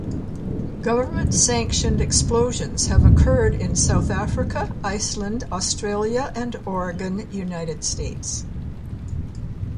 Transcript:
Government-sanctioned explosions have occurred in South Africa, Iceland, Australia and Oregon, United States.